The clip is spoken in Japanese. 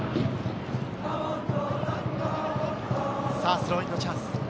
スローインのチャンス。